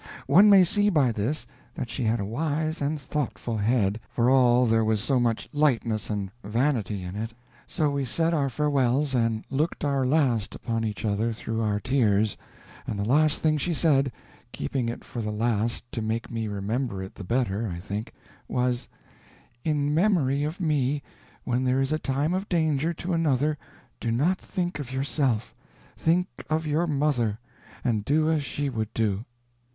One may see by this that she had a wise and thoughtful head, for all there was so much lightness and vanity in it. So we said our farewells, and looked our last upon each other through our tears; and the last thing she said keeping it for the last to make me remember it the better, I think was, "In memory of me, when there is a time of danger to another do not think of yourself, think of your mother, and do as she would do."